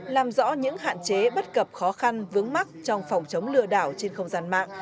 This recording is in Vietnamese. làm rõ những hạn chế bất cập khó khăn vướng mắt trong phòng chống lừa đảo trên không gian mạng